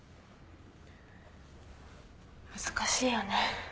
難しいよね。